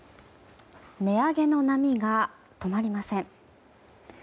値上げの波が止まりません。